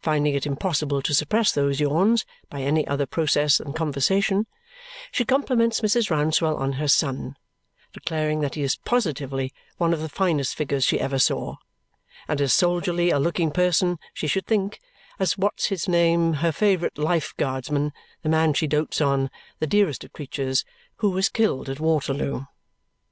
Finding it impossible to suppress those yawns by any other process than conversation, she compliments Mrs. Rouncewell on her son, declaring that he positively is one of the finest figures she ever saw and as soldierly a looking person, she should think, as what's his name, her favourite Life Guardsman the man she dotes on, the dearest of creatures who was killed at Waterloo.